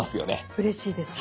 うれしいです。